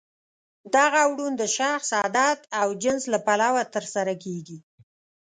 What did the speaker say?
دغه اوړون د شخص، عدد او جنس له پلوه ترسره کیږي.